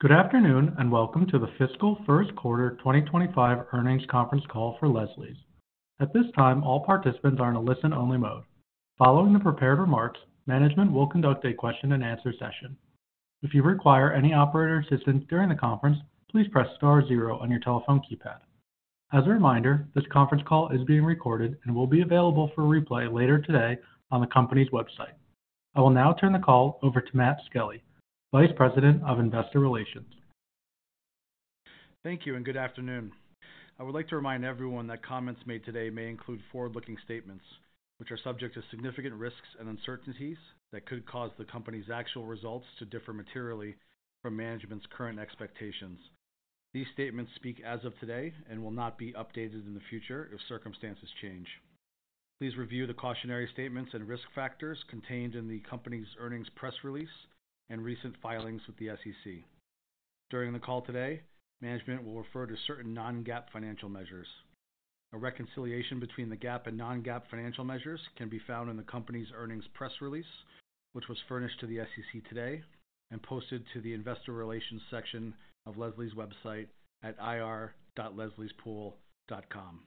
Good afternoon and welcome to the fiscal first quarter 2025 earnings conference call for Leslie's. At this time, all participants are in a listen-only mode. Following the prepared remarks, management will conduct a question-and-answer session. If you require any operator assistance during the conference, please press star zero on your telephone keypad. As a reminder, this conference call is being recorded and will be available for replay later today on the company's website. I will now turn the call over to Matt Skelly, Vice President of Investor Relations. Thank you and good afternoon. I would like to remind everyone that comments made today may include forward-looking statements, which are subject to significant risks and uncertainties that could cause the company's actual results to differ materially from management's current expectations. These statements speak as of today and will not be updated in the future if circumstances change. Please review the cautionary statements and risk factors contained in the company's earnings press release and recent filings with the SEC. During the call today, management will refer to certain non-GAAP financial measures. A reconciliation between the GAAP and non-GAAP financial measures can be found in the company's earnings press release, which was furnished to the SEC today and posted to the investor relations section of Leslie's website at ir.lesliespool.com.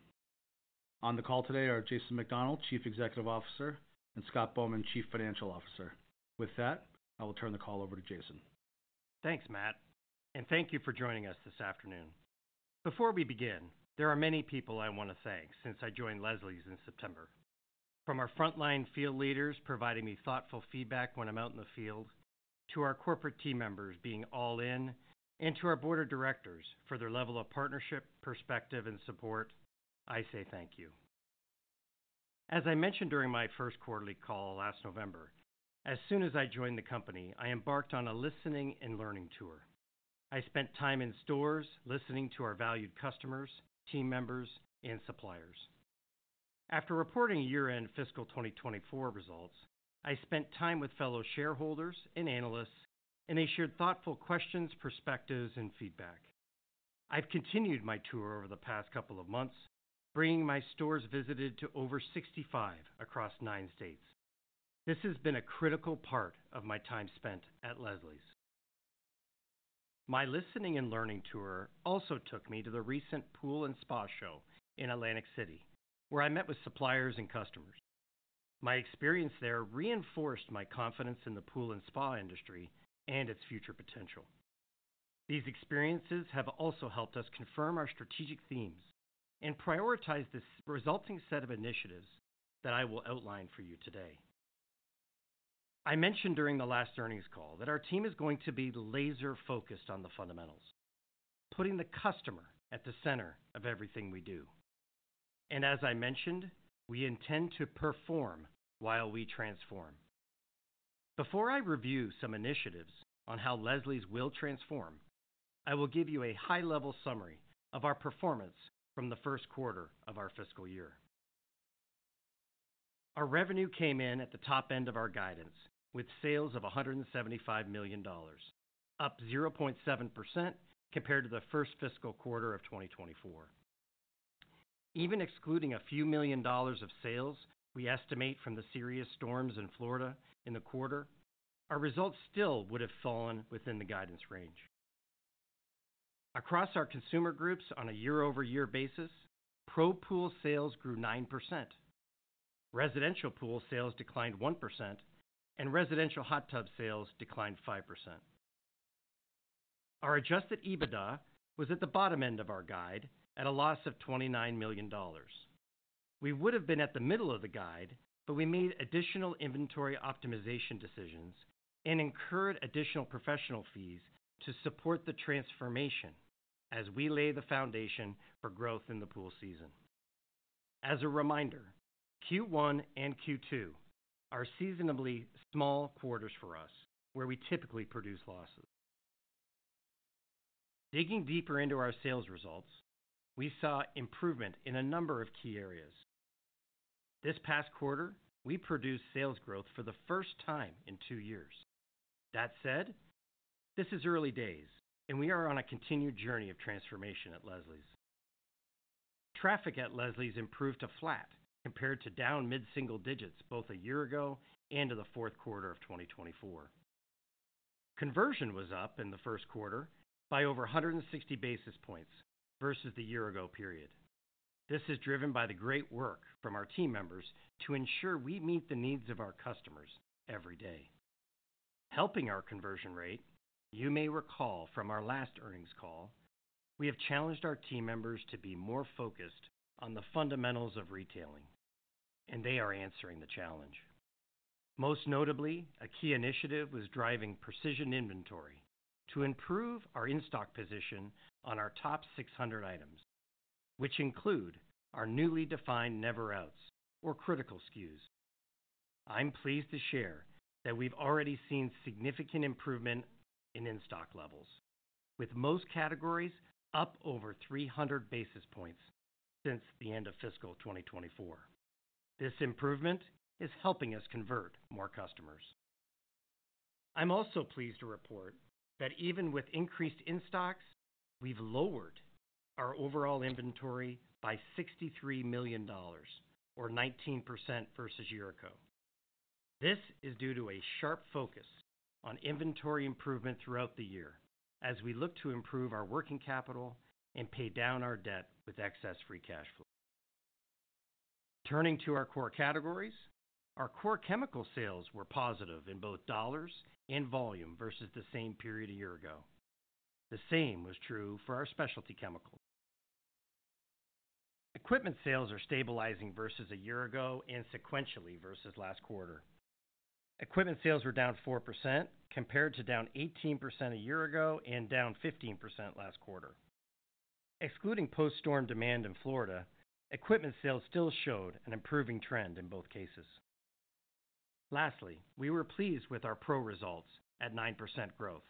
On the call today are Jason McDonell, Chief Executive Officer, and Scott Bowman, Chief Financial Officer. With that, I will turn the call over to Jason. Thanks, Matt, and thank you for joining us this afternoon. Before we begin, there are many people I want to thank since I joined Leslie's in September. From our frontline field leaders providing me thoughtful feedback when I'm out in the field, to our corporate team members being all in, and to our board of directors for their level of partnership, perspective, and support, I say thank you. As I mentioned during my first quarterly call last November, as soon as I joined the company, I embarked on a listening and learning tour. I spent time in stores listening to our valued customers, team members, and suppliers. After reporting year-end fiscal 2024 results, I spent time with fellow shareholders and analysts, and they shared thoughtful questions, perspectives, and feedback. I've continued my tour over the past couple of months, bringing my stores visited to over 65 across nine states. This has been a critical part of my time spent at Leslie's. My listening and learning tour also took me to the recent Pool & Spa Show in Atlantic City, where I met with suppliers and customers. My experience there reinforced my confidence in the pool and spa industry and its future potential. These experiences have also helped us confirm our strategic themes and prioritize the resulting set of initiatives that I will outline for you today. I mentioned during the last earnings call that our team is going to be laser-focused on the fundamentals, putting the customer at the center of everything we do. As I mentioned, we intend to perform while we transform. Before I review some initiatives on how Leslie's will transform, I will give you a high-level summary of our performance from the first quarter of our fiscal year. Our revenue came in at the top end of our guidance, with sales of $175 million, up 0.7% compared to the first fiscal quarter of 2024. Even excluding a few million dollars of sales we estimate from the serious storms in Florida in the quarter, our results still would have fallen within the guidance range. Across our consumer groups on a year-over-year basis, pro-pool sales grew 9%, residential pool sales declined 1%, and residential hot tub sales declined 5%. Our Adjusted EBITDA was at the bottom end of our guide at a loss of $29 million. We would have been at the middle of the guide, but we made additional inventory optimization decisions and incurred additional professional fees to support the transformation as we lay the foundation for growth in the pool season. As a reminder, Q1 and Q2 are seasonably small quarters for us, where we typically produce losses. Digging deeper into our sales results, we saw improvement in a number of key areas. This past quarter, we produced sales growth for the first time in two years. That said, this is early days, and we are on a continued journey of transformation at Leslie's. Traffic at Leslie's improved to flat compared to down mid-single digits both a year ago and in the fourth quarter of 2024. Conversion was up in the first quarter by over 160 basis points versus the year-ago period. This is driven by the great work from our team members to ensure we meet the needs of our customers every day. Helping our conversion rate, you may recall from our last earnings call, we have challenged our team members to be more focused on the fundamentals of retailing, and they are answering the challenge. Most notably, a key initiative was driving precision inventory to improve our in-stock position on our top 600 items, which include our newly defined never-outs or critical SKUs. I'm pleased to share that we've already seen significant improvement in in-stock levels, with most categories up over 300 basis points since the end of fiscal 2024. This improvement is helping us convert more customers. I'm also pleased to report that even with increased in-stocks, we've lowered our overall inventory by $63 million, or 19% versus a year ago. This is due to a sharp focus on inventory improvement throughout the year as we look to improve our working capital and pay down our debt with excess free cash flow. Returning to our core categories, our core chemical sales were positive in both dollars and volume versus the same period a year ago. The same was true for our specialty chemicals. Equipment sales are stabilizing versus a year ago and sequentially versus last quarter. Equipment sales were down 4% compared to down 18% a year ago and down 15% last quarter. Excluding post-storm demand in Florida, equipment sales still showed an improving trend in both cases. Lastly, we were pleased with our Pro results at 9% growth.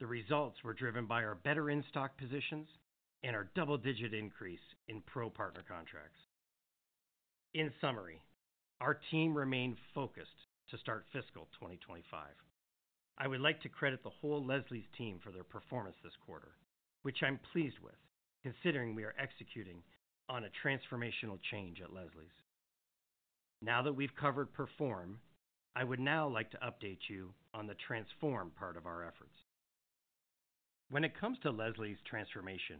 The results were driven by our better in-stock positions and our double-digit increase in pro-partner contracts. In summary, our team remained focused to start fiscal 2025. I would like to credit the whole Leslie's team for their performance this quarter, which I'm pleased with considering we are executing on a transformational change at Leslie's. Now that we've covered perform, I would now like to update you on the transform part of our efforts. When it comes to Leslie's transformation,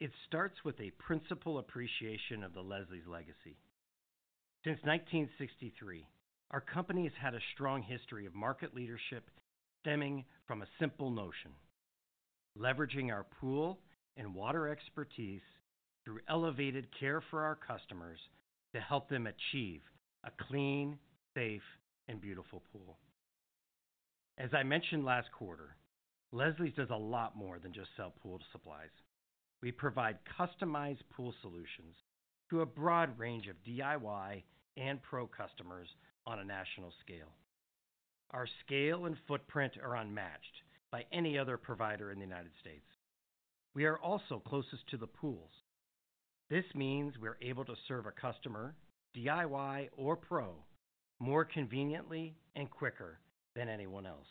it starts with a principal appreciation of the Leslie's legacy. Since 1963, our company has had a strong history of market leadership stemming from a simple notion: leveraging our pool and water expertise through elevated care for our customers to help them achieve a clean, safe, and beautiful pool. As I mentioned last quarter, Leslie's does a lot more than just sell pool supplies. We provide customized pool solutions to a broad range of DIY and Pro customers on a national scale. Our scale and footprint are unmatched by any other provider in the United States. We are also closest to the pools. This means we're able to serve a customer, DIY or Pro, more conveniently and quicker than anyone else.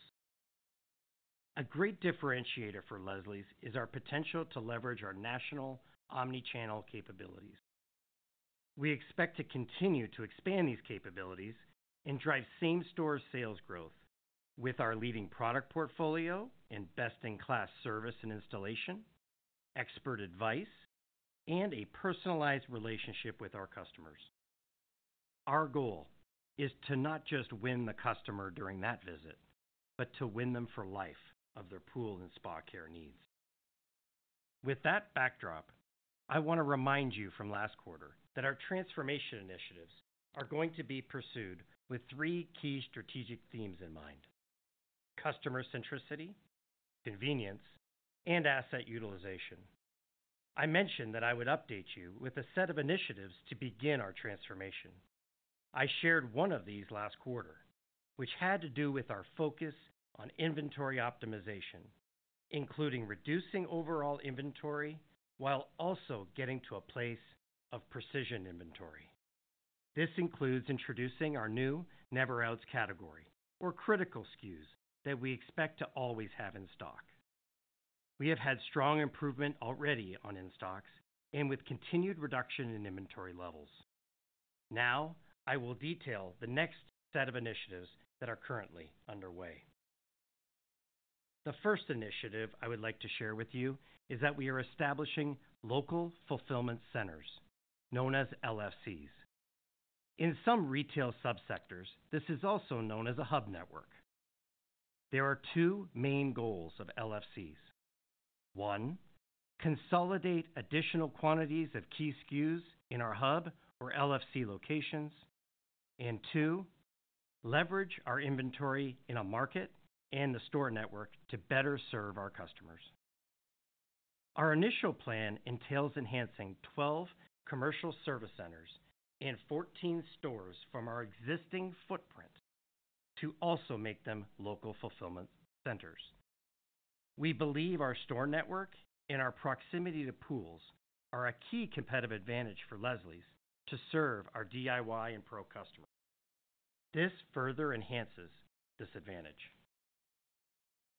A great differentiator for Leslie's is our potential to leverage our national omnichannel capabilities. We expect to continue to expand these capabilities and drive same-store sales growth with our leading product portfolio and best-in-class service and installation, expert advice, and a personalized relationship with our customers. Our goal is to not just win the customer during that visit, but to win them for life of their pool and spa care needs. With that backdrop, I want to remind you from last quarter that our transformation initiatives are going to be pursued with three key strategic themes in mind: customer centricity, convenience, and asset utilization. I mentioned that I would update you with a set of initiatives to begin our transformation. I shared one of these last quarter, which had to do with our focus on inventory optimization, including reducing overall inventory while also getting to a place of precision inventory. This includes introducing our new never-outs category, or critical SKUs, that we expect to always have in stock. We have had strong improvement already on in-stocks and with continued reduction in inventory levels. Now, I will detail the next set of initiatives that are currently underway. The first initiative I would like to share with you is that we are establishing local fulfillment centers, known as LFCs. In some retail subsectors, this is also known as a hub network. There are two main goals of LFCs. One, consolidate additional quantities of key SKUs in our hub or LFC locations, and two, leverage our inventory in a market and the store network to better serve our customers. Our initial plan entails enhancing 12 commercial service centers and 14 stores from our existing footprint to also make them local fulfillment centers. We believe our store network and our proximity to pools are a key competitive advantage for Leslie's to serve our DIY and Pro customers. This further enhances this advantage.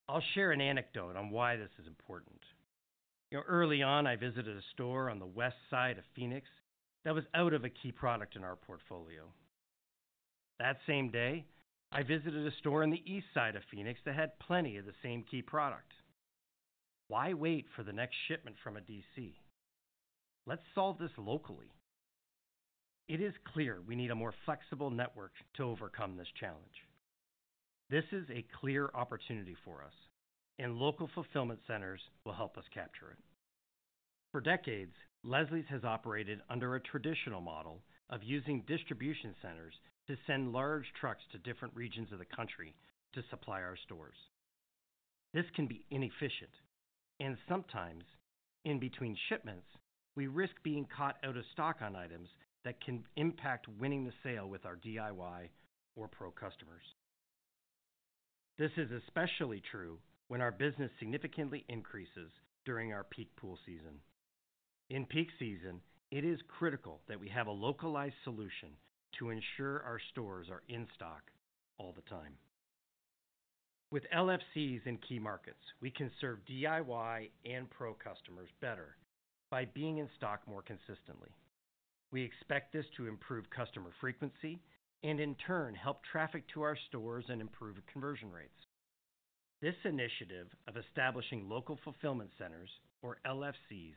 I'll share an anecdote on why this is important. Early on, I visited a store on the west side of Phoenix that was out of a key product in our portfolio. That same day, I visited a store on the east side of Phoenix that had plenty of the same key product. Why wait for the next shipment from a DC? Let's solve this locally. It is clear we need a more flexible network to overcome this challenge. This is a clear opportunity for us, and local fulfillment centers will help us capture it. For decades, Leslie's has operated under a traditional model of using distribution centers to send large trucks to different regions of the country to supply our stores. This can be inefficient, and sometimes in between shipments, we risk being caught out of stock on items that can impact winning the sale with our DIY or Pro customers. This is especially true when our business significantly increases during our peak pool season. In peak season, it is critical that we have a localized solution to ensure our stores are in stock all the time. With LFCs in key markets, we can serve DIY and Pro customers better by being in stock more consistently. We expect this to improve customer frequency and, in turn, help traffic to our stores and improve conversion rates. This initiative of establishing local fulfillment centers, or LFCs,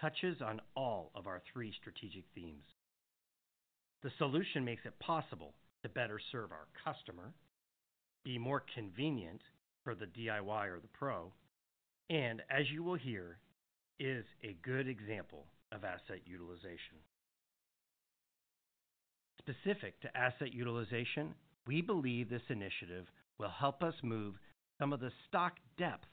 touches on all of our three strategic themes. The solution makes it possible to better serve our customer, be more convenient for the DIY or the Pro, and, as you will hear, is a good example of asset utilization. Specific to asset utilization, we believe this initiative will help us move some of the stock depth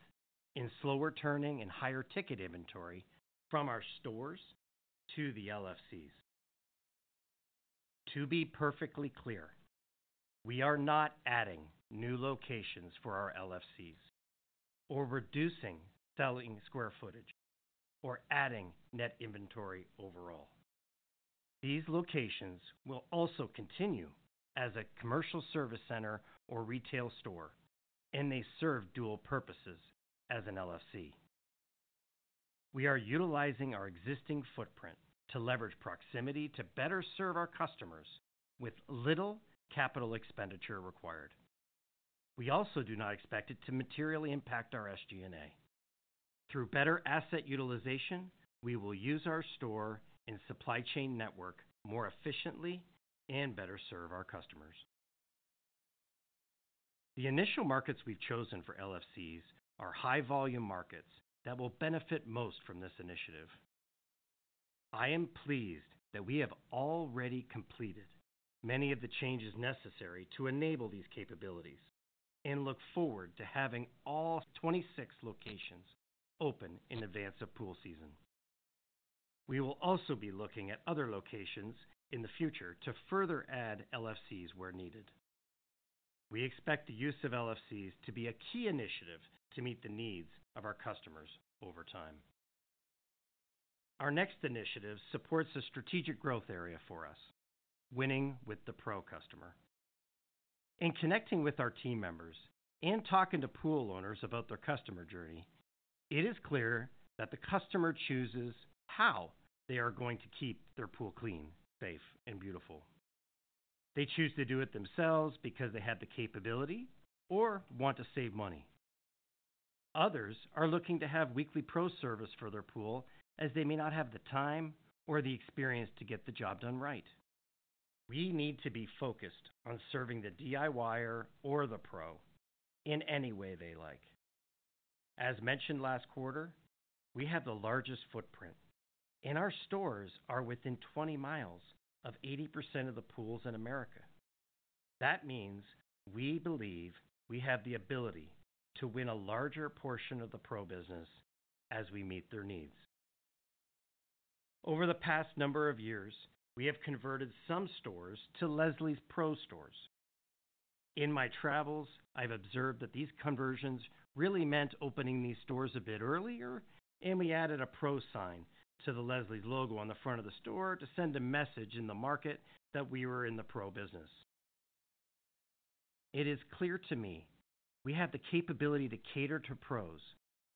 in slower turning and higher ticket inventory from our stores to the LFCs. To be perfectly clear, we are not adding new locations for our LFCs or reducing selling square footage or adding net inventory overall. These locations will also continue as a commercial service center or retail store, and they serve dual purposes as an LFC. We are utilizing our existing footprint to leverage proximity to better serve our customers with little capital expenditure required. We also do not expect it to materially impact our SG&A. Through better asset utilization, we will use our store and supply chain network more efficiently and better serve our customers. The initial markets we've chosen for LFCs are high-volume markets that will benefit most from this initiative. I am pleased that we have already completed many of the changes necessary to enable these capabilities and look forward to having all 26 locations open in advance of pool season. We will also be looking at other locations in the future to further add LFCs where needed. We expect the use of LFCs to be a key initiative to meet the needs of our customers over time. Our next initiative supports a strategic growth area for us: winning with the Pro customer. In connecting with our team members and talking to pool owners about their customer journey, it is clear that the customer chooses how they are going to keep their pool clean, safe, and beautiful. They choose to do it themselves because they have the capability or want to save money. Others are looking to have weekly Pro service for their pool as they may not have the time or the experience to get the job done right. We need to be focused on serving the DIY or the Pro in any way they like. As mentioned last quarter, we have the largest footprint, and our stores are within 20 mi of 80% of the pools in America. That means we believe we have the ability to win a larger portion of the Pro business as we meet their needs. Over the past number of years, we have converted some stores to Leslie's Pro stores. In my travels, I've observed that these conversions really meant opening these stores a bit earlier, and we added a Pro sign to the Leslie's logo on the front of the store to send a message in the market that we were in the Pro business. It is clear to me we have the capability to cater to Pro's,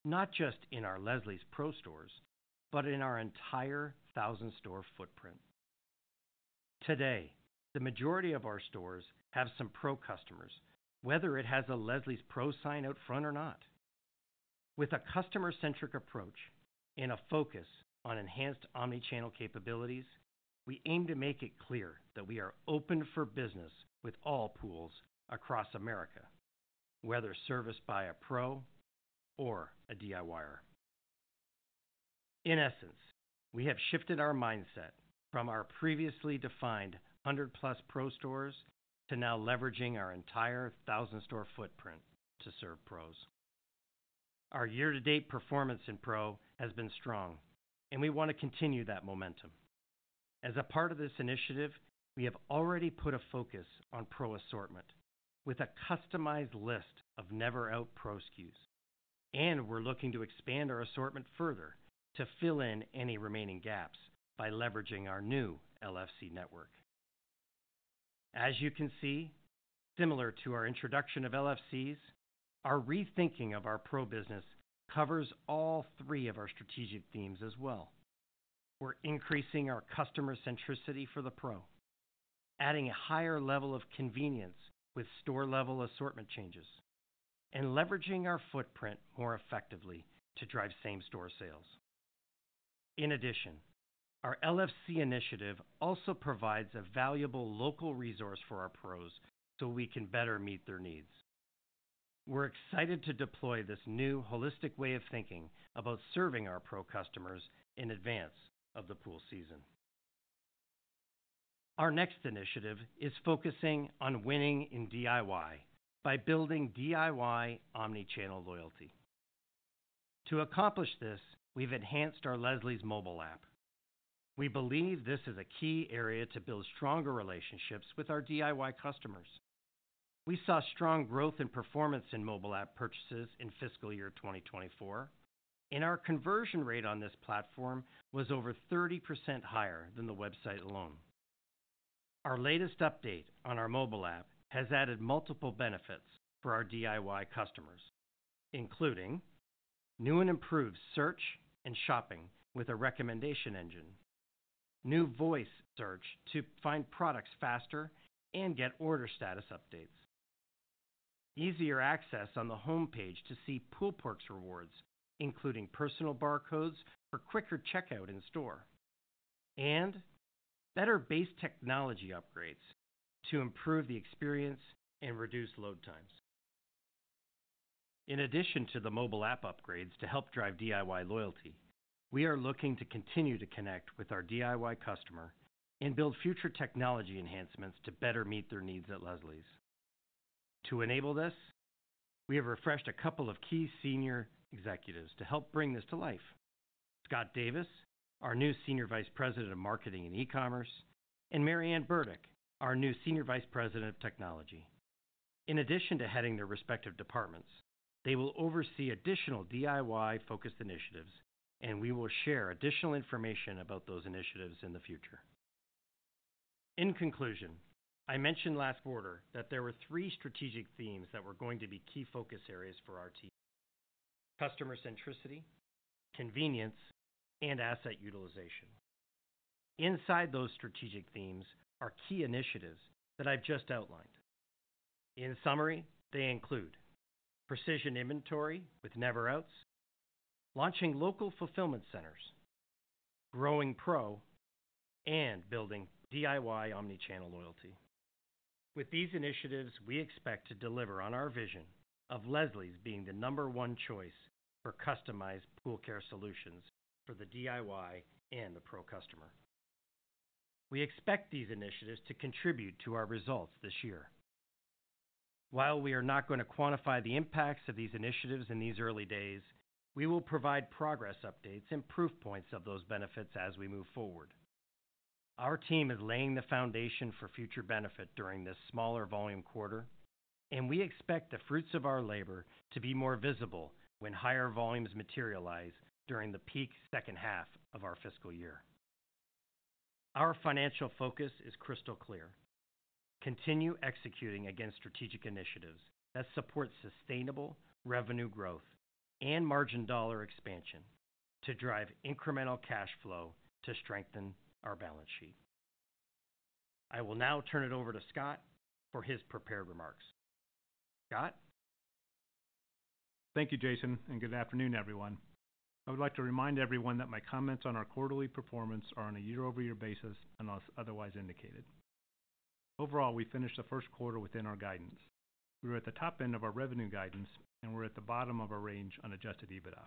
not just in our Leslie's Pro stores, but in our entire thousand-store footprint. Today, the majority of our stores have some Pro customers, whether it has a Leslie's Pro sign out front or not. With a customer-centric approach and a focus on enhanced omnichannel capabilities, we aim to make it clear that we are open for business with all pools across America, whether serviced by a Pro or a DIYer. In essence, we have shifted our mindset from our previously defined 100-plus Pro stores to now leveraging our entire thousand-store footprint to serve Pros. Our year-to-date performance in Pro has been strong, and we want to continue that momentum. As a part of this initiative, we have already put a focus on Pro assortment with a customized list of never-out Pro SKUs, and we're looking to expand our assortment further to fill in any remaining gaps by leveraging our new LFC network. As you can see, similar to our introduction of LFCs, our rethinking of our Pro business covers all three of our strategic themes as well. We're increasing our customer centricity for the Pro, adding a higher level of convenience with store-level assortment changes, and leveraging our footprint more effectively to drive same-store sales. In addition, our LFC initiative also provides a valuable local resource for our Pros so we can better meet their needs. We're excited to deploy this new holistic way of thinking about serving our Pro customers in advance of the pool season. Our next initiative is focusing on winning in DIY by building DIY omnichannel loyalty. To accomplish this, we've enhanced our Leslie's mobile app. We believe this is a key area to build stronger relationships with our DIY customers. We saw strong growth in performance in mobile app purchases in fiscal year 2024, and our conversion rate on this platform was over 30% higher than the website alone. Our latest update on our mobile app has added multiple benefits for our DIY customers, including new and improved search and shopping with a recommendation engine, new voice search to find products faster, and get order status updates, easier access on the homepage to see pool perks rewards, including personal barcodes for quicker checkout in store, and better base technology upgrades to improve the experience and reduce load times. In addition to the mobile app upgrades to help drive DIY loyalty, we are looking to continue to connect with our DIY customer and build future technology enhancements to better meet their needs at Leslie's. To enable this, we have refreshed a couple of key senior executives to help bring this to life: Scott Davis, our new Senior Vice President of Marketing and E-commerce, and Maryann Byrdak, our new Senior Vice President of Technology. In addition to heading their respective departments, they will oversee additional DIY-focused initiatives, and we will share additional information about those initiatives in the future. In conclusion, I mentioned last quarter that there were three strategic themes that were going to be key focus areas for our team: customer centricity, convenience, and asset utilization. Inside those strategic themes are key initiatives that I've just outlined. In summary, they include precision inventory with never-outs, launching local fulfillment centers, growing pro, and building DIY omnichannel loyalty. With these initiatives, we expect to deliver on our vision of Leslie's being the number one choice for customized pool care solutions for the DIY and the Pro customer. We expect these initiatives to contribute to our results this year. While we are not going to quantify the impacts of these initiatives in these early days, we will provide progress updates and proof points of those benefits as we move forward. Our team is laying the foundation for future benefit during this smaller volume quarter, and we expect the fruits of our labor to be more visible when higher volumes materialize during the peak second half of our fiscal year. Our financial focus is crystal clear: continue executing against strategic initiatives that support sustainable revenue growth and margin dollar expansion to drive incremental cash flow to strengthen our balance sheet. I will now turn it over to Scott for his prepared remarks. Scott. Thank you, Jason, and good afternoon, everyone. I would like to remind everyone that my comments on our quarterly performance are on a year-over-year basis unless otherwise indicated. Overall, we finished the first quarter within our guidance. We were at the top end of our revenue guidance, and we're at the bottom of our range on Adjusted EBITDA.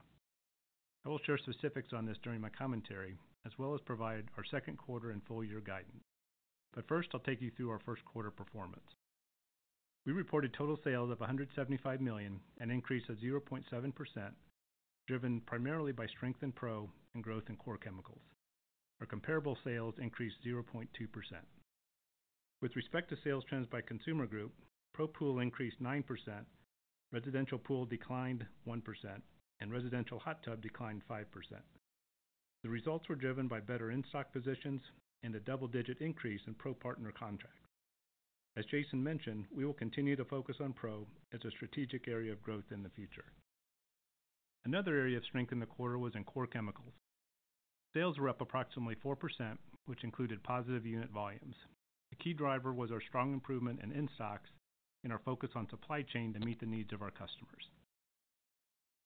I will share specifics on this during my commentary, as well as provide our second quarter and full-year guidance. First, I'll take you through our first quarter performance. We reported total sales of $175 million and an increase of 0.7%, driven primarily by strength in Pro and growth in core chemicals. Our comparable sales increased 0.2%. With respect to sales trends by consumer group, Pro pool increased 9%, residential pool declined 1%, and residential hot tub declined 5%. The results were driven by better in-stock positions and a double-digit increase in Pro partner contracts. As Jason mentioned, we will continue to focus on Pro as a strategic area of growth in the future. Another area of strength in the quarter was in core chemicals. Sales were up approximately 4%, which included positive unit volumes. The key driver was our strong improvement in in-stocks and our focus on supply chain to meet the needs of our customers.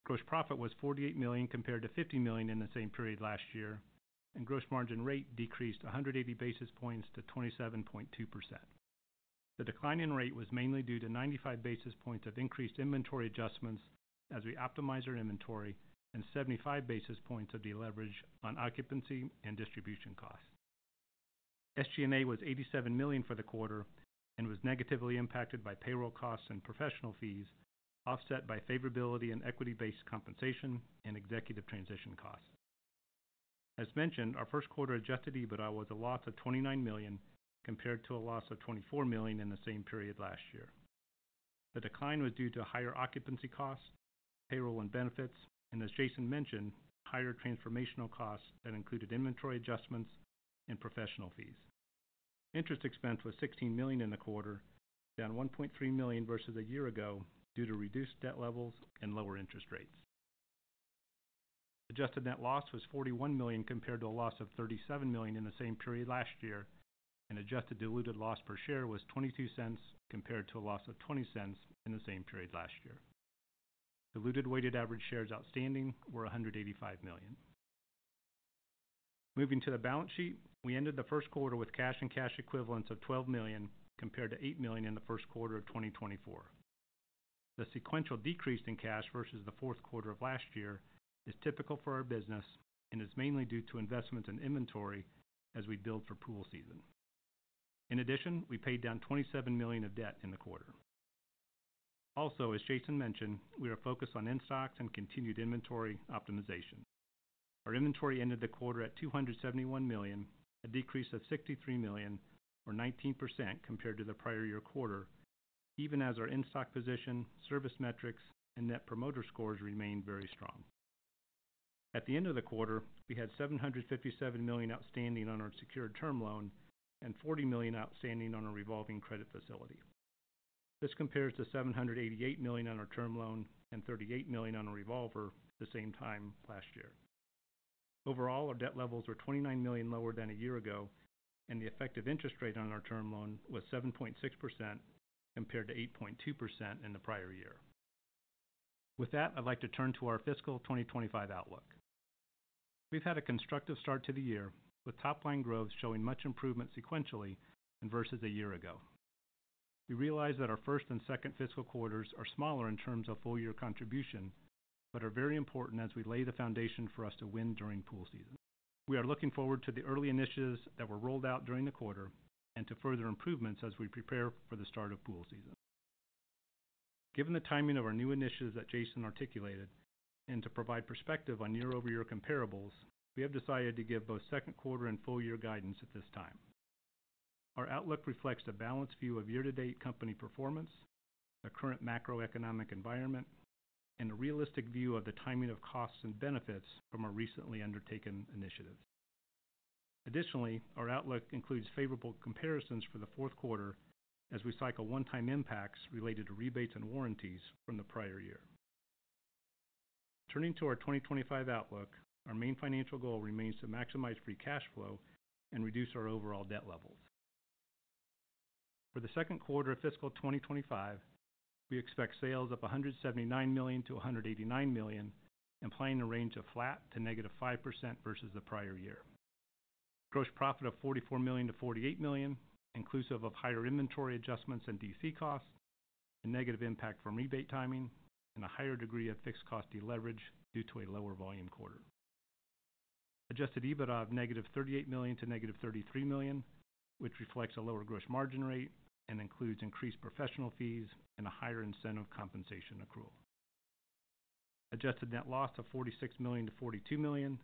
Gross profit was $48 million compared to $50 million in the same period last year, and gross margin rate decreased 180 basis points to 27.2%. The decline in rate was mainly due to 95 basis points of increased inventory adjustments as we optimize our inventory and 75 basis points of deleverage on occupancy and distribution costs. SG&A was $87 million for the quarter and was negatively impacted by payroll costs and professional fees, offset by favorability in equity-based compensation and executive transition costs. As mentioned, our first quarter Adjusted EBITDA was a loss of $29 million compared to a loss of $24 million in the same period last year. The decline was due to higher occupancy costs, payroll and benefits, and, as Jason mentioned, higher transformational costs that included inventory adjustments and professional fees. Interest expense was $16 million in the quarter, down $1.3 million versus a year ago due to reduced debt levels and lower interest rates. Adjusted net loss was $41 million compared to a loss of $37 million in the same period last year, and adjusted diluted loss per share was $0.22 compared to a loss of $0.20 in the same period last year. Diluted weighted average shares outstanding were 185 million. Moving to the balance sheet, we ended the first quarter with cash and cash equivalents of $12 million compared to $8 million in the first quarter of 2024. The sequential decrease in cash versus the fourth quarter of last year is typical for our business and is mainly due to investments in inventory as we build for pool season. In addition, we paid down $27 million of debt in the quarter. Also, as Jason mentioned, we are focused on in-stocks and continued inventory optimization. Our inventory ended the quarter at $271 million, a decrease of $63 million, or 19% compared to the prior year quarter, even as our in-stock position, service metrics, and net promoter scores remained very strong. At the end of the quarter, we had $757 million outstanding on our secured term loan and $40 million outstanding on our revolving credit facility. This compares to $788 million on our term loan and $38 million on our revolver at the same time last year. Overall, our debt levels were $29 million lower than a year ago, and the effective interest rate on our term loan was 7.6% compared to 8.2% in the prior year. With that, I'd like to turn to our fiscal 2025 outlook. We've had a constructive start to the year, with top-line growth showing much improvement sequentially versus a year ago. We realize that our first and second fiscal quarters are smaller in terms of full-year contribution but are very important as we lay the foundation for us to win during pool season. We are looking forward to the early initiatives that were rolled out during the quarter and to further improvements as we prepare for the start of pool season. Given the timing of our new initiatives that Jason articulated and to provide perspective on year-over-year comparables, we have decided to give both second quarter and full-year guidance at this time. Our outlook reflects a balanced view of year-to-date company performance, the current macroeconomic environment, and a realistic view of the timing of costs and benefits from our recently undertaken initiatives. Additionally, our outlook includes favorable comparisons for the fourth quarter as we cycle one-time impacts related to rebates and warranties from the prior year. Turning to our 2025 outlook, our main financial goal remains to maximize free cash flow and reduce our overall debt levels. For the second quarter of fiscal 2025, we expect sales up $179 million-$189 million, implying a range of flat to -5% versus the prior year. Gross profit of $44 million-$48 million, inclusive of higher inventory adjustments and DC costs, a negative impact from rebate timing, and a higher degree of fixed cost deleverage due to a lower volume quarter. Adjusted EBITDA of -$38 million to -$33 million, which reflects a lower gross margin rate and includes increased professional fees and a higher incentive compensation accrual. Adjusted net loss of $46 million-$42 million,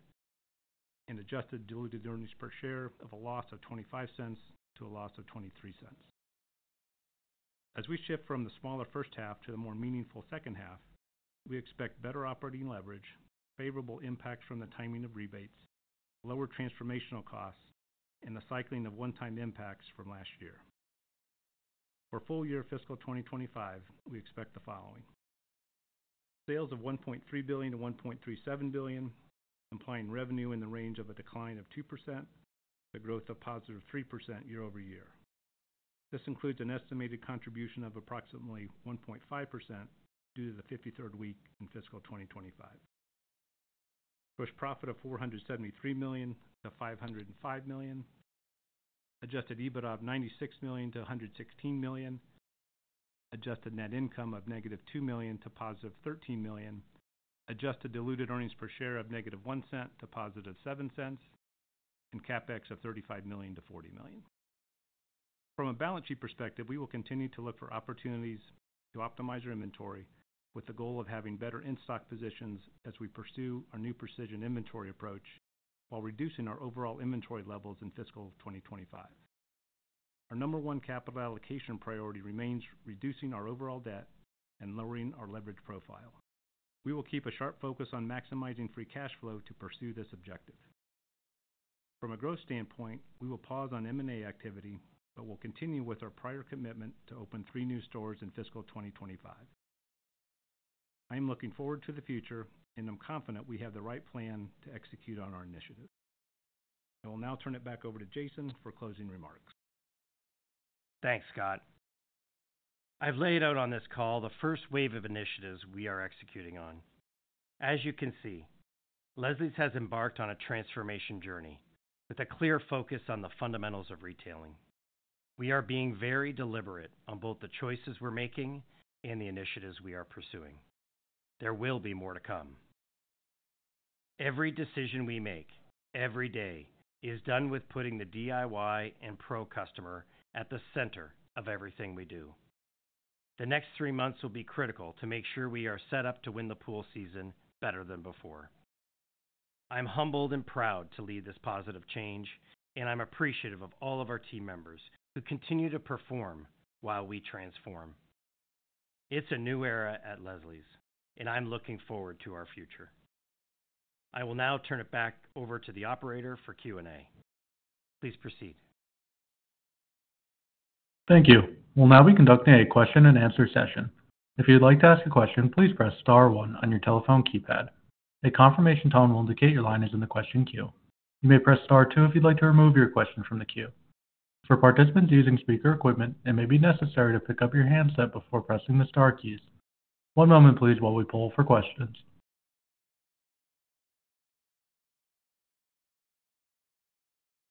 and adjusted diluted earnings per share of a loss of $0.25-$0.23. As we shift from the smaller first half to the more meaningful second half, we expect better operating leverage, favorable impacts from the timing of rebates, lower transformational costs, and the cycling of one-time impacts from last year. For full-year fiscal 2025, we expect the following: sales of $1.3 billion-$1.37 billion, implying revenue in the range of a decline of 2% to growth of +3% year-over-year. This includes an estimated contribution of approximately 1.5% due to the 53rd week in fiscal 2025. Gross profit of $473 million-$505 million, Adjusted EBITDA of $96 million-$116 million, adjusted net income of -$2 million to +$13 million, adjusted diluted earnings per share of -$0.01 to +$0.07, and CapEx of $35 million-$40 million. From a balance sheet perspective, we will continue to look for opportunities to optimize our inventory with the goal of having better in-stock positions as we pursue our new precision inventory approach while reducing our overall inventory levels in fiscal 2025. Our number one capital allocation priority remains reducing our overall debt and lowering our leverage profile. We will keep a sharp focus on maximizing free cash flow to pursue this objective. From a growth standpoint, we will pause on M&A activity but will continue with our prior commitment to open three new stores in fiscal 2025. I am looking forward to the future, and I'm confident we have the right plan to execute on our initiatives. I will now turn it back over to Jason for closing remarks. Thanks, Scott. I've laid out on this call the first wave of initiatives we are executing on. As you can see, Leslie's has embarked on a transformation journey with a clear focus on the fundamentals of retailing. We are being very deliberate on both the choices we're making and the initiatives we are pursuing. There will be more to come. Every decision we make every day is done with putting the DIY and Pro customer at the center of everything we do. The next three months will be critical to make sure we are set up to win the pool season better than before. I'm humbled and proud to lead this positive change, and I'm appreciative of all of our team members who continue to perform while we transform. It's a new era at Leslie's, and I'm looking forward to our future. I will now turn it back over to the operator for Q&A. Please proceed. Thank you. We'll now be conducting a question-and-answer session. If you'd like to ask a question, please press star one on your telephone keypad. A confirmation tone will indicate your line is in the question queue. You may press star two if you'd like to remove your question from the queue. For participants using speaker equipment, it may be necessary to pick up your handset before pressing the star keys. One moment, please, while we pull for questions.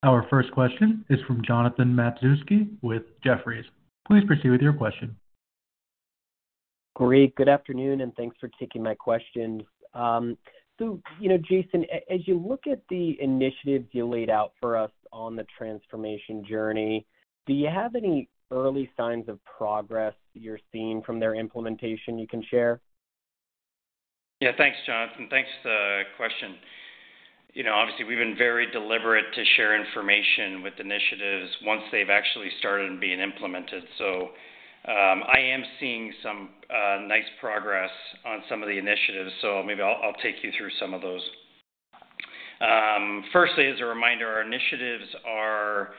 Our first question is from Jonathan Matuszewski with Jefferies. Please proceed with your question. Great. Good afternoon, and thanks for taking my questions. Jason, as you look at the initiatives you laid out for us on the transformation journey, do you have any early signs of progress you're seeing from their implementation you can share? Yeah. Thanks, Jonathan. Thanks for the question. Obviously, we've been very deliberate to share information with initiatives once they've actually started being implemented. I am seeing some nice progress on some of the initiatives, so maybe I'll take you through some of those. Firstly, as a reminder, our initiatives are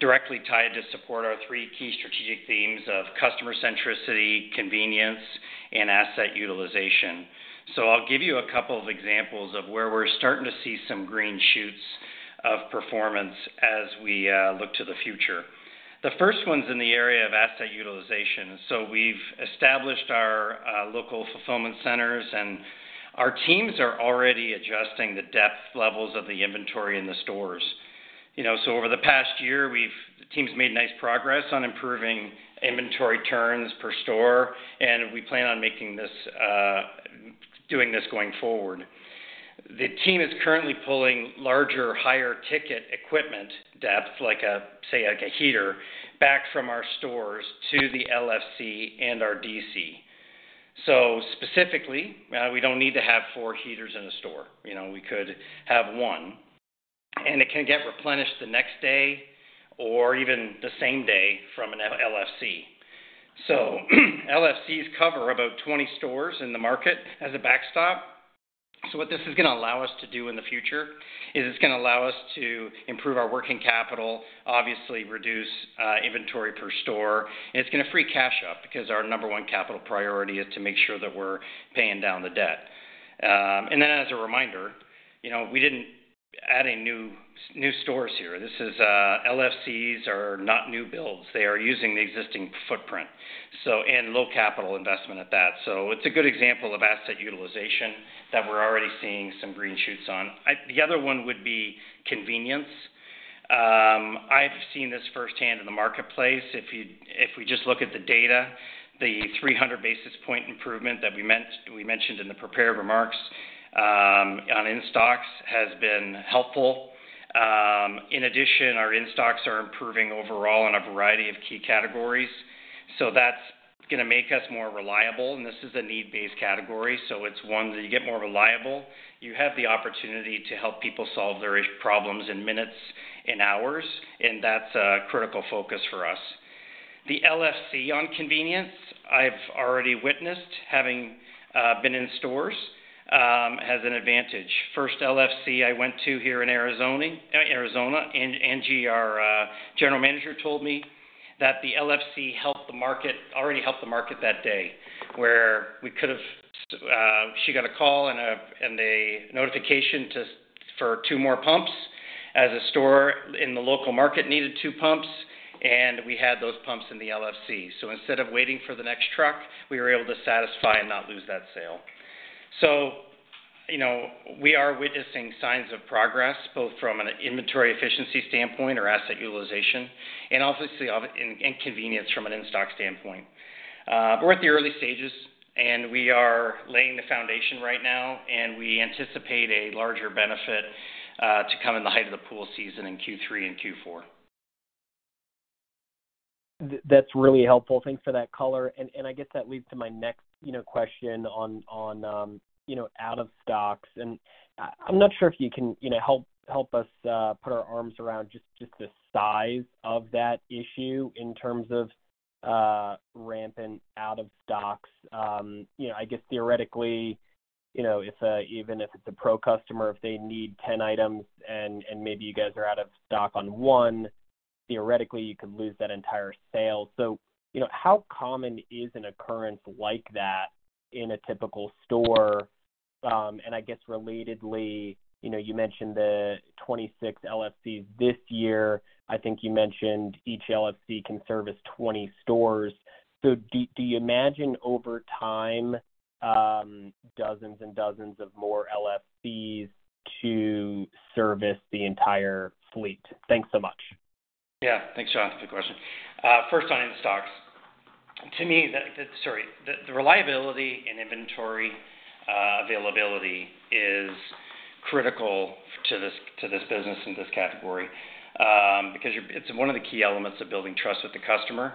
directly tied to support our three key strategic themes of customer centricity, convenience, and asset utilization. I'll give you a couple of examples of where we're starting to see some green shoots of performance as we look to the future. The first one's in the area of asset utilization. We've established our local fulfillment centers, and our teams are already adjusting the depth levels of the inventory in the stores. Over the past year, the team's made nice progress on improving inventory turns per store, and we plan on doing this going forward. The team is currently pulling larger, higher-ticket equipment depth, like a, say, like a heater, back from our stores to the LFC and our DC. Specifically, we don't need to have four heaters in a store. We could have one, and it can get replenished the next day or even the same day from an LFC. LFCs cover about 20 stores in the market as a backstop. What this is going to allow us to do in the future is it's going to allow us to improve our working capital, obviously reduce inventory per store, and it's going to free cash up because our number one capital priority is to make sure that we're paying down the debt. As a reminder, we didn't add any new stores here. LFCs are not new builds. They are using the existing footprint and low capital investment at that. It's a good example of asset utilization that we're already seeing some green shoots on. The other one would be convenience. I've seen this firsthand in the marketplace. If we just look at the data, the 300 basis point improvement that we mentioned in the prepared remarks on in-stocks has been helpful. In addition, our in-stocks are improving overall in a variety of key categories. That is going to make us more reliable, and this is a need-based category. It is one that, as you get more reliable, you have the opportunity to help people solve their problems in minutes and hours, and that is a critical focus for us. The LFC on convenience, I have already witnessed having been in stores, has an advantage. The first LFC I went to here in Arizona, and NG, our general manager, told me that the LFC helped the market, already helped the market that day, where she got a call and a notification for two more pumps as a store in the local market needed two pumps, and we had those pumps in the LFC. Instead of waiting for the next truck, we were able to satisfy and not lose that sale. We are witnessing signs of progress both from an inventory efficiency standpoint or asset utilization, and obviously in convenience from an in-stock standpoint. We're at the early stages, and we are laying the foundation right now, and we anticipate a larger benefit to come in the height of the pool season in Q3 and Q4. That's really helpful. Thanks for that color. I guess that leads to my next question on out-of-stocks. I'm not sure if you can help us put our arms around just the size of that issue in terms of rampant out-of-stocks. I guess theoretically, even if it's a Pro customer, if they need 10 items and maybe you guys are out of stock on one, theoretically, you could lose that entire sale. How common is an occurrence like that in a typical store? I guess relatedly, you mentioned the 26 LFCs this year. I think you mentioned each LFC can service 20 stores. Do you imagine over time dozens and dozens of more LFCs to service the entire fleet? Thanks so much. Yeah. Thanks, Jon. That's a good question. First on in-stocks. To me, the reliability and inventory availability is critical to this business in this category because it's one of the key elements of building trust with the customer.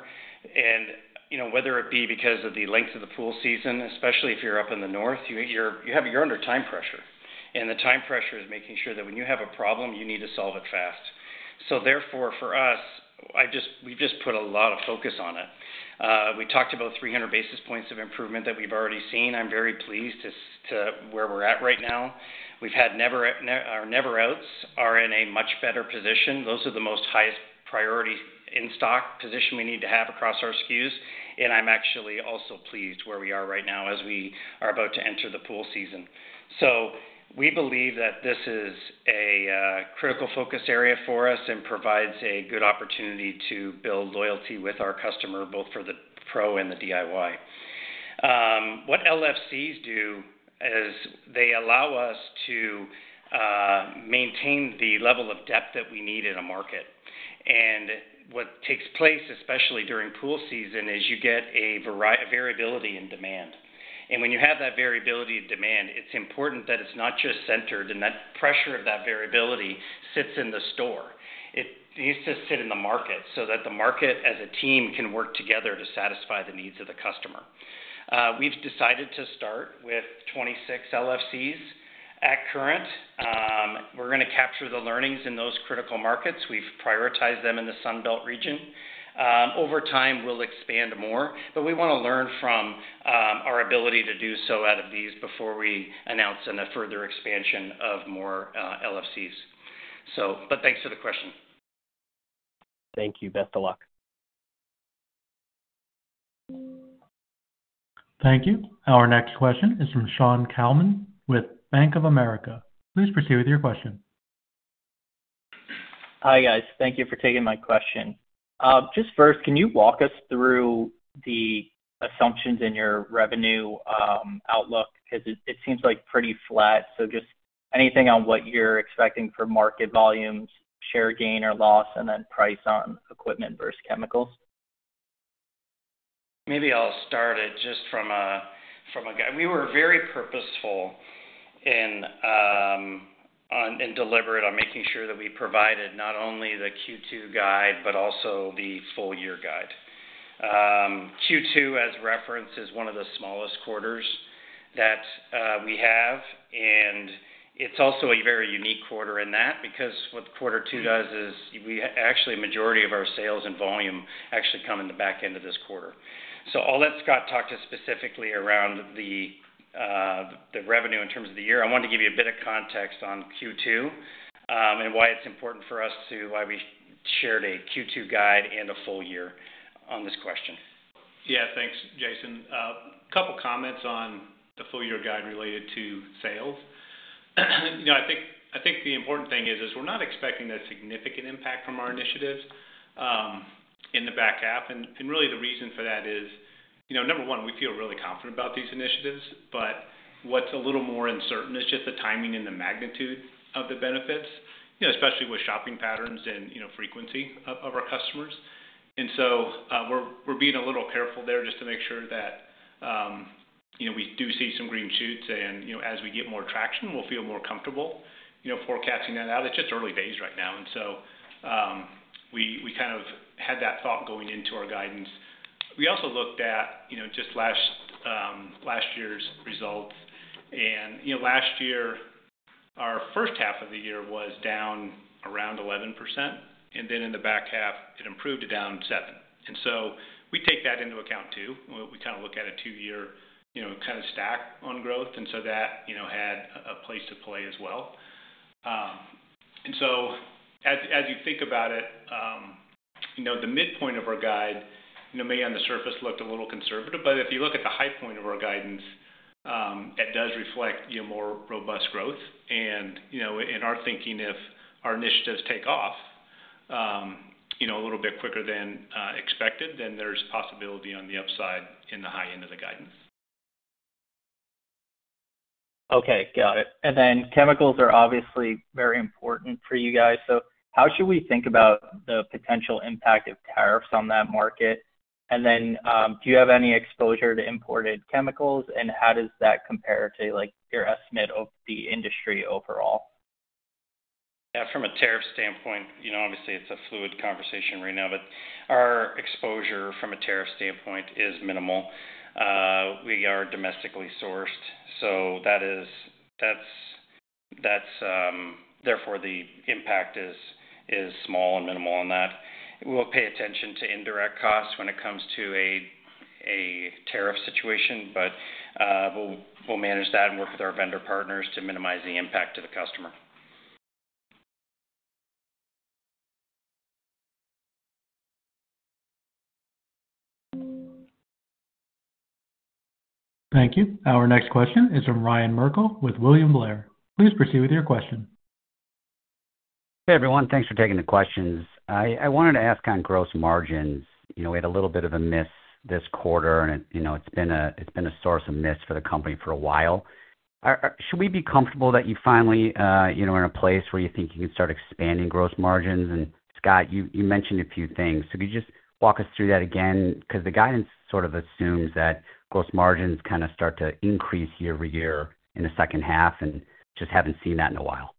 Whether it be because of the length of the pool season, especially if you're up in the north, you're under time pressure. The time pressure is making sure that when you have a problem, you need to solve it fast. Therefore, for us, we've just put a lot of focus on it. We talked about 300 basis points of improvement that we've already seen. I'm very pleased to where we're at right now. We've had our never-outs are in a much better position. Those are the most highest priority in-stock position we need to have across our SKUs. I'm actually also pleased where we are right now as we are about to enter the pool season. We believe that this is a critical focus area for us and provides a good opportunity to build loyalty with our customer, both for the Pro and the DIY. What LFCs do is they allow us to maintain the level of depth that we need in a market. What takes place, especially during pool season, is you get a variability in demand. When you have that variability of demand, it's important that it's not just centered and that pressure of that variability sits in the store. It needs to sit in the market so that the market as a team can work together to satisfy the needs of the customer. We've decided to start with 26 LFCs at current. We're going to capture the learnings in those critical markets. We've prioritized them in the Sun Belt region. Over time, we'll expand more, but we want to learn from our ability to do so out of these before we announce a further expansion of more LFCs. Thanks for the question. Thank you. Best of luck. Thank you. Our next question is from Sean Colman with Bank of America. Please proceed with your question. Hi, guys. Thank you for taking my question. Just first, can you walk us through the assumptions in your revenue outlook? Because it seems like pretty flat. Just anything on what you're expecting for market volumes, share gain or loss, and then price on equipment versus chemicals? Maybe I'll start it just from a we were very purposeful and deliberate on making sure that we provided not only the Q2 guide but also the full year guide. Q2, as referenced, is one of the smallest quarters that we have. It's also a very unique quarter in that because what quarter two does is actually a majority of our sales and volume actually come in the back end of this quarter. I'll let Scott talk to specifically around the revenue in terms of the year. I wanted to give you a bit of context on Q2 and why it's important for us to why we shared a Q2 guide and a full year on this question. Yeah. Thanks, Jason. A couple of comments on the full year guide related to sales. I think the important thing is we're not expecting a significant impact from our initiatives in the back half. The reason for that is, number one, we feel really confident about these initiatives, but what's a little more uncertain is just the timing and the magnitude of the benefits, especially with shopping patterns and frequency of our customers. We are being a little careful there just to make sure that we do see some green shoots. As we get more traction, we'll feel more comfortable forecasting that out. It's just early days right now. We kind of had that thought going into our guidance. We also looked at just last year's results. Last year, our first half of the year was down around 11%. In the back half, it improved down seven. We take that into account too. We kind of look at a two-year kind of stack on growth. That had a place to play as well. As you think about it, the midpoint of our guide may on the surface look a little conservative, but if you look at the high point of our guidance, it does reflect more robust growth. In our thinking, if our initiatives take off a little bit quicker than expected, then there's possibility on the upside in the high end of the guidance. Okay. Got it. Chemicals are obviously very important for you guys. How should we think about the potential impact of tariffs on that market? Do you have any exposure to imported chemicals? How does that compare to your estimate of the industry overall? Yeah. From a tariff standpoint, obviously, it's a fluid conversation right now, but our exposure from a tariff standpoint is minimal. We are domestically sourced. Therefore, the impact is small and minimal on that. We'll pay attention to indirect costs when it comes to a tariff situation, but we'll manage that and work with our vendor partners to minimize the impact to the customer. Thank you. Our next question is from Ryan Merkel with William Blair. Please proceed with your question. Hey, everyone. Thanks for taking the questions. I wanted to ask on gross margins. We had a little bit of a miss this quarter, and it's been a source of miss for the company for a while. Should we be comfortable that you finally are in a place where you think you can start expanding gross margins? Scott, you mentioned a few things. Could you just walk us through that again? The guidance sort of assumes that gross margins kind of start to increase year over year in the second half, and just have not seen that in a while.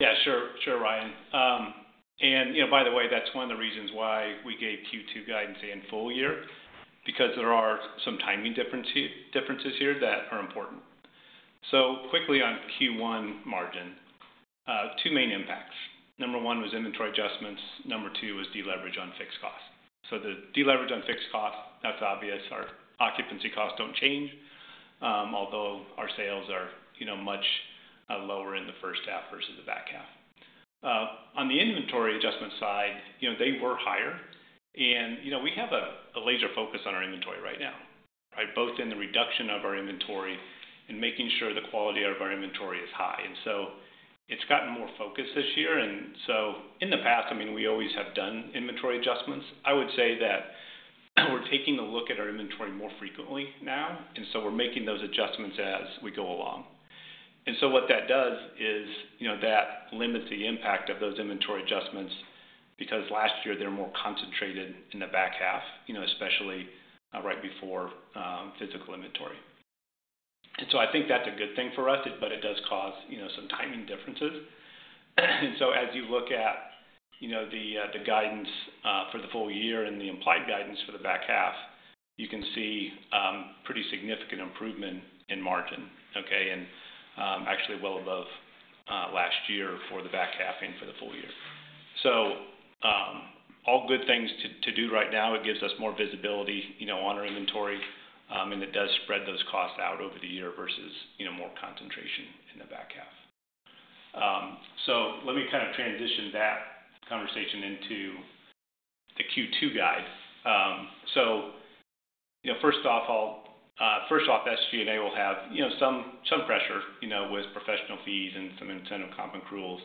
Yeah. Sure. Sure, Ryan. By the way, that is one of the reasons why we gave Q2 guidance in full year because there are some timing differences here that are important. Quickly on Q1 margin, two main impacts. Number one was inventory adjustments. Number two was deleverage on fixed costs. The deleverage on fixed costs, that is obvious. Our occupancy costs do not change, although our sales are much lower in the first half versus the back half. On the inventory adjustment side, they were higher. We have a laser focus on our inventory right now, both in the reduction of our inventory and making sure the quality of our inventory is high. It has gotten more focused this year. In the past, I mean, we always have done inventory adjustments. I would say that we're taking a look at our inventory more frequently now. We're making those adjustments as we go along. What that does is that limits the impact of those inventory adjustments because last year, they were more concentrated in the back half, especially right before physical inventory. I think that's a good thing for us, but it does cause some timing differences. As you look at the guidance for the full year and the implied guidance for the back half, you can see pretty significant improvement in margin, okay, and actually well above last year for the back half and for the full year. All good things to do right now. It gives us more visibility on our inventory, and it does spread those costs out over the year versus more concentration in the back half. Let me kind of transition that conversation into the Q2 guide. First off, SG&A will have some pressure with professional fees and some incentive comp and accruals,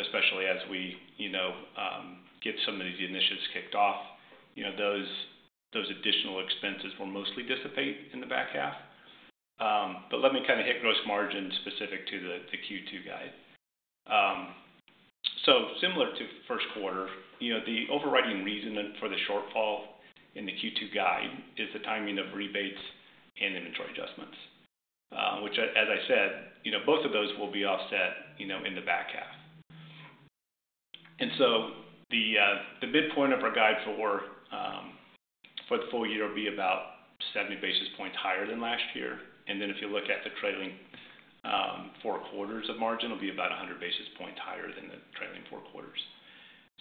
especially as we get some of these initiatives kicked off. Those additional expenses will mostly dissipate in the back half. Let me kind of hit gross margins specific to the Q2 guide. Similar to first quarter, the overriding reason for the shortfall in the Q2 guide is the timing of rebates and inventory adjustments, which, as I said, both of those will be offset in the back half. The midpoint of our guide for the full year will be about 70 basis points higher than last year. If you look at the trailing four quarters of margin, it will be about 100 basis points higher than the trailing four quarters.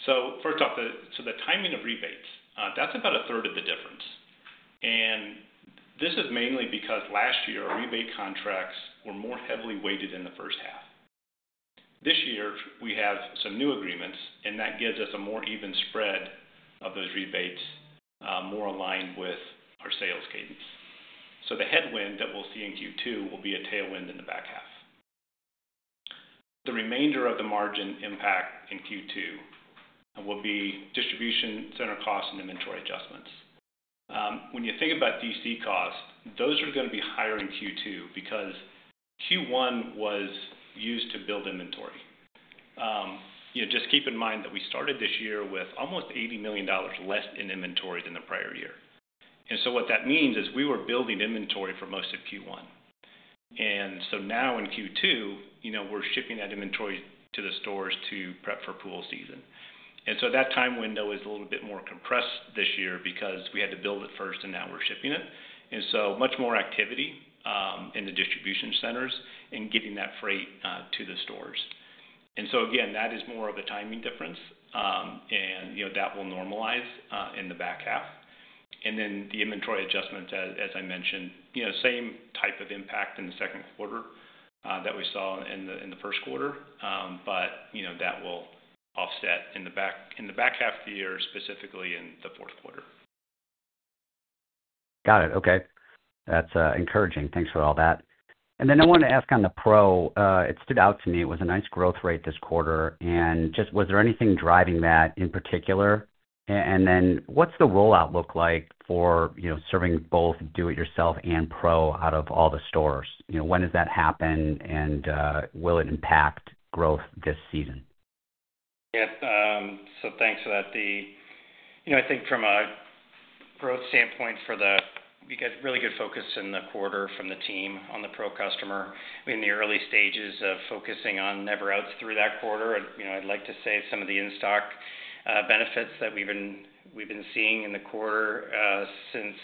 First off, the timing of rebates, that's about a third of the difference. This is mainly because last year, our rebate contracts were more heavily weighted in the first half. This year, we have some new agreements, and that gives us a more even spread of those rebates, more aligned with our sales cadence. The headwind that we'll see in Q2 will be a tailwind in the back half. The remainder of the margin impact in Q2 will be distribution center costs and inventory adjustments. When you think about DC costs, those are going to be higher in Q2 because Q1 was used to build inventory. Just keep in mind that we started this year with almost $80 million less in inventory than the prior year. What that means is we were building inventory for most of Q1. Now in Q2, we're shipping that inventory to the stores to prep for pool season. That time window is a little bit more compressed this year because we had to build it first, and now we're shipping it. Much more activity in the distribution centers and getting that freight to the stores. That is more of a timing difference, and that will normalize in the back half. The inventory adjustments, as I mentioned, same type of impact in the second quarter that we saw in the first quarter, but that will offset in the back half of the year, specifically in the fourth quarter. Got it. Okay. That's encouraging. Thanks for all that. I wanted to ask on the Pro. It stood out to me. It was a nice growth rate this quarter. Was there anything driving that in particular? What's the rollout look like for serving both do-it-yourself and Pro out of all the stores? When does that happen, and will it impact growth this season? Yeah. Thanks for that. I think from a growth standpoint for the we got really good focus in the quarter from the team on the Pro customer. In the early stages of focusing on never-outs through that quarter, I'd like to say some of the in-stock benefits that we've been seeing in the quarter since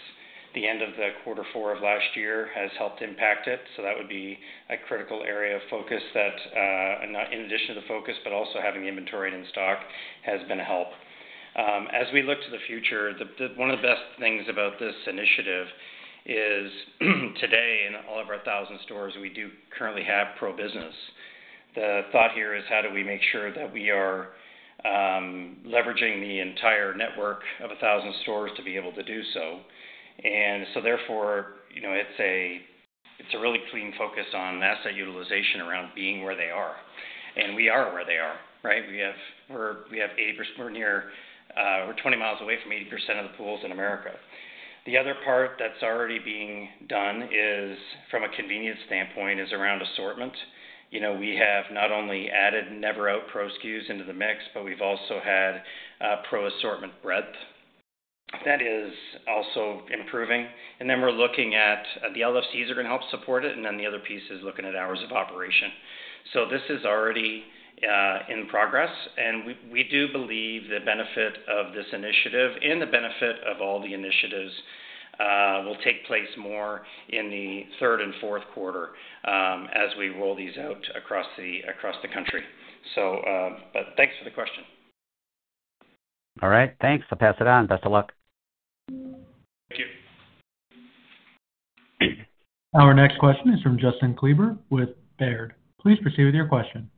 the end of the quarter four of last year has helped impact it. That would be a critical area of focus that, in addition to the focus, but also having inventory in stock has been a help. As we look to the future, one of the best things about this initiative is today, in all of our 1,000 stores, we do currently have Pro business. The thought here is, how do we make sure that we are leveraging the entire network of 1,000 stores to be able to do so? It is a really clean focus on asset utilization around being where they are. We are where they are, right? We have 80%. We are 20 mi away from 80% of the pools in America. The other part that is already being done from a convenience standpoint is around assortment. We have not only added never-out Pro SKUs into the mix, but we have also had Pro assortment breadth. That is also improving. We are looking at the LFCs that are going to help support it. The other piece is looking at hours of operation. This is already in progress. We do believe the benefit of this initiative and the benefit of all the initiatives will take place more in the third and fourth quarter as we roll these out across the country. Thanks for the question. All right. Thanks. I will pass it on. Best of luck. Thank you. Our next question is from Justin Kleber with Baird. Please proceed with your question.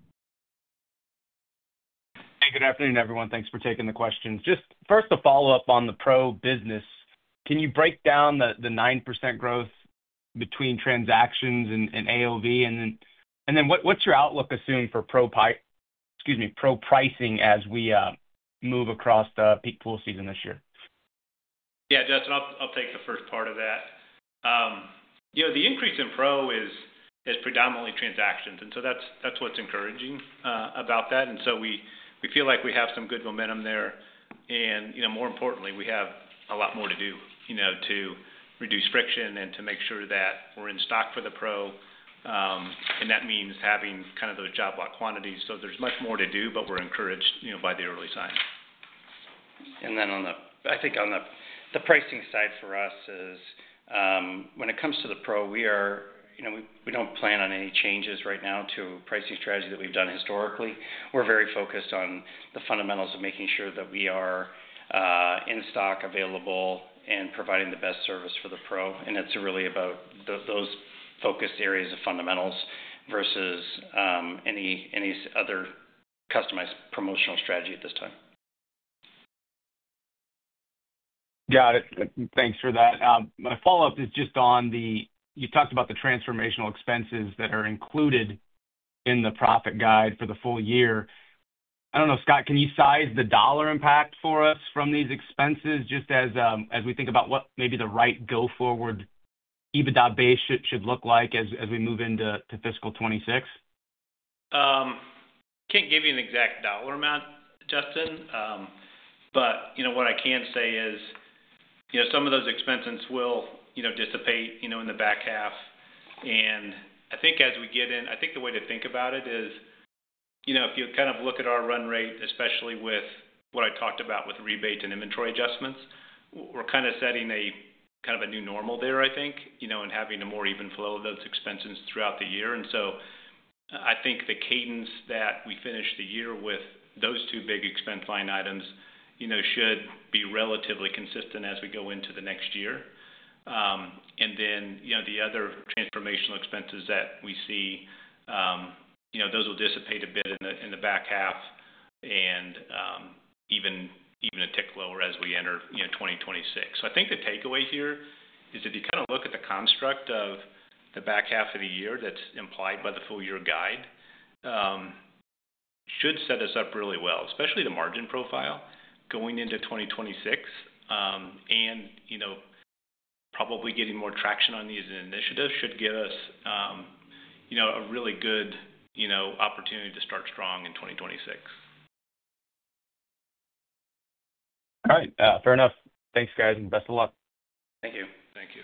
Hey, good afternoon, everyone. Thanks for taking the question. Just first, a follow-up on the Pro business. Can you break down the 9% growth between transactions and AOV? And then what's your outlook assumed for Pro pricing as we move across the peak pool season this year? Yeah. Justin, I'll take the first part of that. The increase in Pro is predominantly transactions. That is what's encouraging about that. We feel like we have some good momentum there. More importantly, we have a lot more to do to reduce friction and to make sure that we're in stock for the pro. That means having kind of those job lot quantities. There is much more to do, but we're encouraged by the early signs. I think on the pricing side for us is when it comes to the Pro, we do not plan on any changes right now to pricing strategy that we have done historically. We are very focused on the fundamentals of making sure that we are in stock, available, and providing the best service for the Pro. It is really about those focused areas of fundamentals versus any other customized promotional strategy at this time. Got it. Thanks for that. My follow-up is just on the you talked about the transformational expenses that are included in the profit guide for the full year. I do not know, Scott, can you size the dollar impact for us from these expenses just as we think about what maybe the right go-forward EBITDA base should look like as we move into fiscal 2026? I cannot give you an exact dollar amount, Justin. What I can say is some of those expenses will dissipate in the back half. I think as we get in, I think the way to think about it is if you kind of look at our run rate, especially with what I talked about with rebates and inventory adjustments, we're kind of setting kind of a new normal there, I think, and having a more even flow of those expenses throughout the year. I think the cadence that we finish the year with those two big expense line items should be relatively consistent as we go into the next year. The other transformational expenses that we see, those will dissipate a bit in the back half and even a tick lower as we enter 2026. I think the takeaway here is if you kind of look at the construct of the back half of the year that's implied by the full year guide, it should set us up really well, especially the margin profile going into 2026. Probably getting more traction on these initiatives should give us a really good opportunity to start strong in 2026. All right. Fair enough. Thanks, guys. And best of luck. Thank you. Thank you.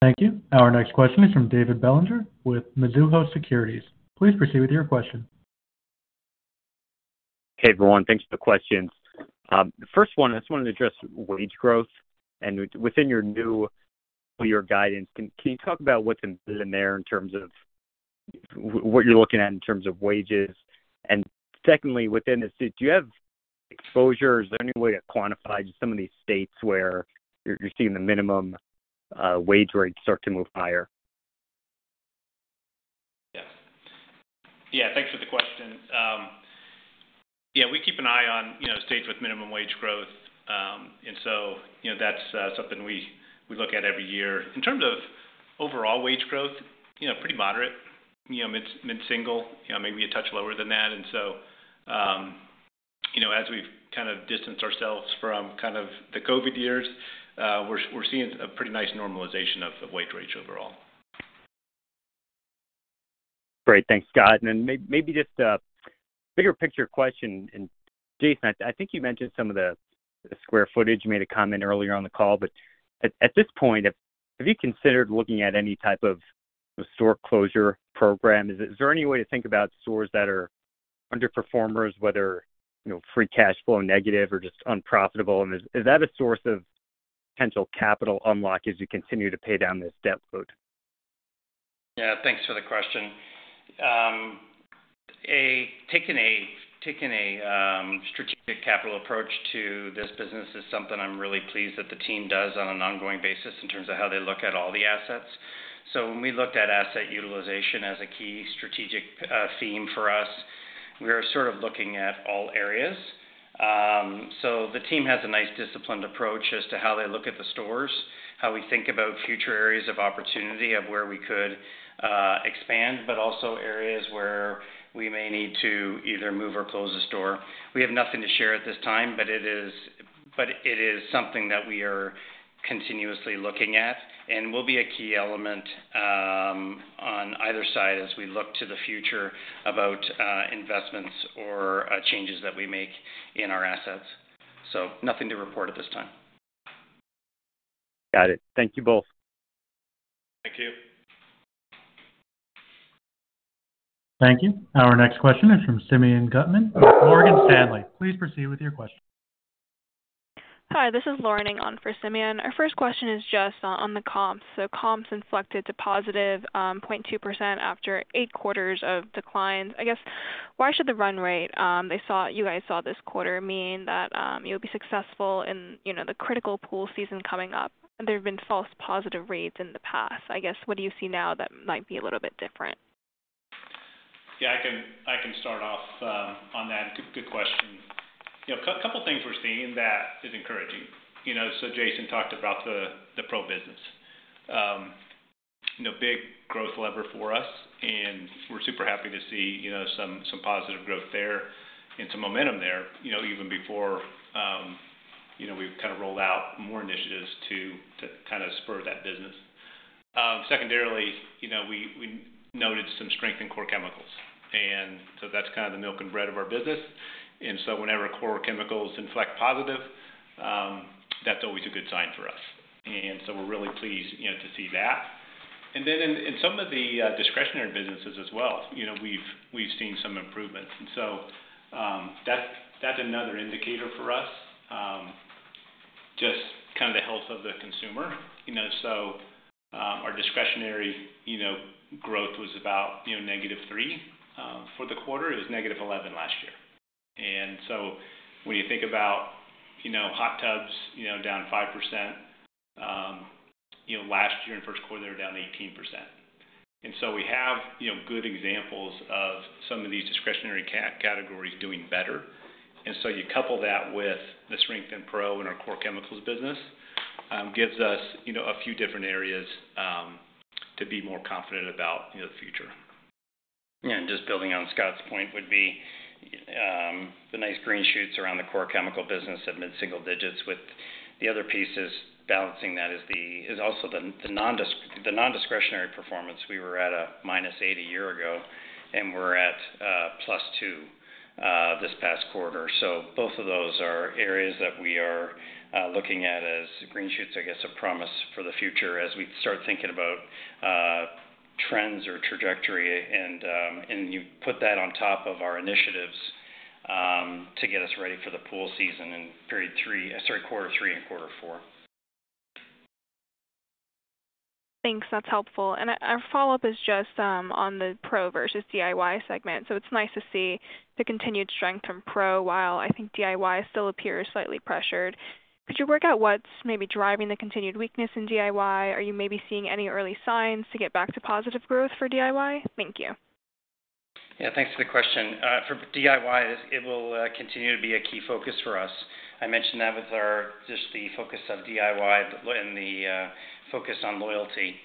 Thank you. Our next question is from David Bellinger with Mizuho Securities. Please proceed with your question. Hey, everyone. Thanks for the questions. First one, I just wanted to address wage growth. Within your new full year guidance, can you talk about what's in there in terms of what you're looking at in terms of wages? Secondly, within this, do you have exposure? Is there any way to quantify just some of these states where you're seeing the minimum wage rates start to move higher? Yes. Yeah. Thanks for the question. Yeah. We keep an eye on states with minimum wage growth. That's something we look at every year. In terms of overall wage growth, pretty moderate, mid-single, maybe a touch lower than that. As we've kind of distanced ourselves from kind of the COVID years, we're seeing a pretty nice normalization of wage rates overall. Great. Thanks, Scott. Maybe just a bigger picture question. Jason, I think you mentioned some of the square footage. You made a comment earlier on the call. At this point, have you considered looking at any type of store closure program? Is there any way to think about stores that are underperformers, whether free cash flow negative or just unprofitable? Is that a source of potential capital unlock as you continue to pay down this debt load? Yeah. Thanks for the question. Taking a strategic capital approach to this business is something I'm really pleased that the team does on an ongoing basis in terms of how they look at all the assets. When we looked at asset utilization as a key strategic theme for us, we are sort of looking at all areas. The team has a nice disciplined approach as to how they look at the stores, how we think about future areas of opportunity of where we could expand, but also areas where we may need to either move or close a store. We have nothing to share at this time, but it is something that we are continuously looking at and will be a key element on either side as we look to the future about investments or changes that we make in our assets. Nothing to report at this time. Got it. Thank you both. Thank you. Thank you. Our next question is from Simeon Gutman with Morgan Stanley. Please proceed with your question. Hi. This is Lauren Ng for Simeon. Our first question is just on the comps. Comps inflected to +0.2% after eight quarters of declines. I guess, why should the run rate you guys saw this quarter mean that you'll be successful in the critical pool season coming up? There have been false positive rates in the past. I guess, what do you see now that might be a little bit different? Yeah. I can start off on that. Good question. A couple of things we're seeing that is encouraging. Jason talked about the Pro business. Big growth lever for us. We're super happy to see some positive growth there and some momentum there even before we've kind of rolled out more initiatives to kind of spur that business. Secondarily, we noted some strength in core chemicals. That's kind of the milk and bread of our business. Whenever core chemicals inflect positive, that's always a good sign for us. We're really pleased to see that. In some of the discretionary businesses as well, we've seen some improvements. That's another indicator for us, just kind of the health of the consumer. Our discretionary growth was about -3% for the quarter. It was -11% last year. When you think about hot tubs down 5% last year in first quarter, they were down 18%. We have good examples of some of these discretionary categories doing better. You couple that with the strength in Pro and our core chemicals business gives us a few different areas to be more confident about the future. Just building on Scott's point would be the nice green shoots around the core chemical business at mid-single digits with the other pieces balancing that is also the non-discretionary performance. We were at -8% a year ago, and we are at +2% this past quarter. Both of those are areas that we are looking at as green shoots, I guess, of promise for the future as we start thinking about trends or trajectory. You put that on top of our initiatives to get us ready for the pool season in period three, sorry, quarter three and quarter four. Thanks. That's helpful. Our follow-up is just on the Pro versus DIY segment. It's nice to see the continued strength from Pro while I think DIY still appears slightly pressured. Could you work out what's maybe driving the continued weakness in DIY? Are you maybe seeing any early signs to get back to positive growth for DIY? Thank you. Yeah. Thanks for the question. For DIY, it will continue to be a key focus for us. I mentioned that with just the focus of DIY and the focus on loyalty.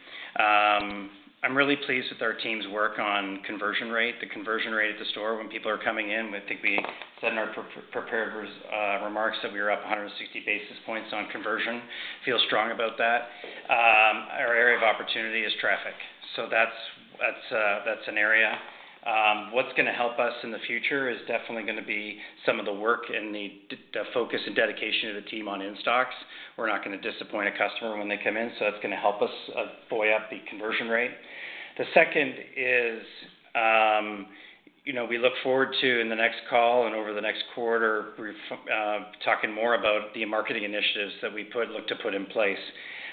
I'm really pleased with our team's work on conversion rate. The conversion rate at the store when people are coming in, I think we said in our prepared remarks that we were up 160 basis points on conversion. Feel strong about that. Our area of opportunity is traffic. That is an area. What is going to help us in the future is definitely going to be some of the work and the focus and dedication of the team on in-stocks. We are not going to disappoint a customer when they come in. That is going to help us buoy up the conversion rate. The second is we look forward to, in the next call and over the next quarter, talking more about the marketing initiatives that we look to put in place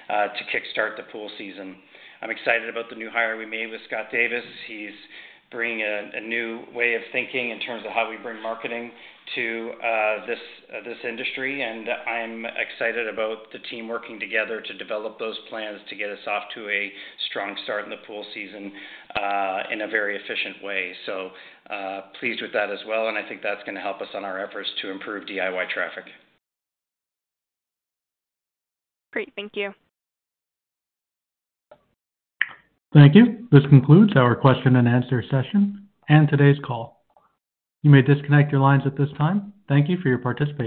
to kickstart the pool season. I am excited about the new hire we made with Scott Davis. He's bringing a new way of thinking in terms of how we bring marketing to this industry. I am excited about the team working together to develop those plans to get us off to a strong start in the pool season in a very efficient way. I am pleased with that as well. I think that's going to help us on our efforts to improve DIY traffic. Great. Thank you. Thank you. This concludes our question-and-answer session and today's call. You may disconnect your lines at this time. Thank you for your participation.